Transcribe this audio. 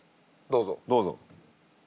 どうぞ。